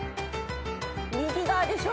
右側でしょ？